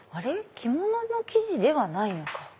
着物の生地ではないのか。